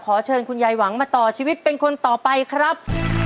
เชิญคุณยายหวังมาต่อชีวิตเป็นคนต่อไปครับ